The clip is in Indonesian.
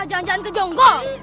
jangan jangan ke jongkok